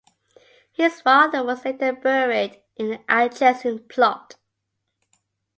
His father was later buried in the adjacent plot.